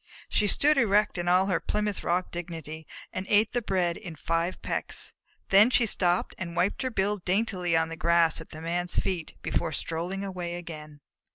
She stood erect in all her Plymouth Rock dignity, and ate the bread in five pecks. Then she stooped and wiped her bill daintily on the grass at the Man's feet before strolling away again.